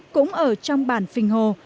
cũng ở trong bản phình hồ